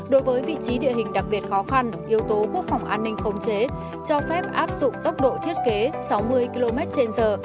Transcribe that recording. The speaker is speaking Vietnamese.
đối với vị trí địa hình đặc biệt khó khăn yếu tố quốc phòng an ninh khống chế cho phép áp dụng tốc độ thiết kế sáu mươi km trên giờ